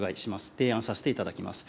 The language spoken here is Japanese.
提案させていただきます。